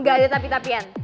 gak ada tapi tapian